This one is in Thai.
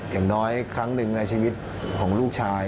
อย่างน้อยครั้งหนึ่งในชีวิตของลูกชาย